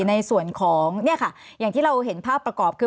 ในส่วนของเนี่ยค่ะอย่างที่เราเห็นภาพประกอบคือ